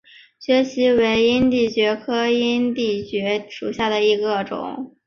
蕨萁为阴地蕨科阴地蕨属下的一个种。